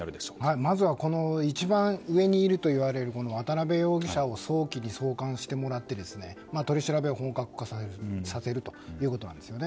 まずは一番上にいるといわれる渡辺容疑者を早期に送還してもらって取り調べを本格化させるということなんですね。